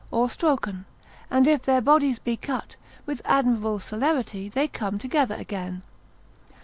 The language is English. or stroken: and if their bodies be cut, with admirable celerity they come together again.